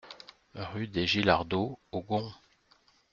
Rue des Gillardeaux aux Gonds